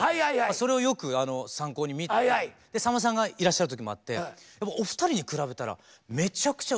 それをよく参考に見ててでさんまさんがいらっしゃる時もあってでもお二人に比べたらめちゃくちゃ動かれるんですよ。